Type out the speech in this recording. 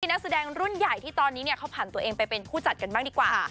นักแสดงรุ่นใหญ่ที่ตอนนี้เขาผ่านตัวเองไปเป็นผู้จัดกันบ้างดีกว่า